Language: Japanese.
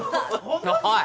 おい！